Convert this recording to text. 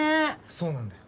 そうなんだよ。